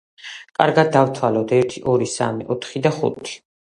კარგად დავთვალოთ, ერთი, ორი, სამი, ოთხი და ხუთი.